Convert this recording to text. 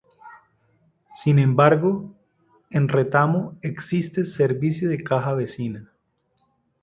Sin embargo, en Retamo existe servicio de Caja Vecina.